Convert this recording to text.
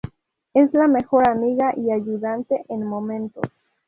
Es la mejor amiga y ayudante en momentos.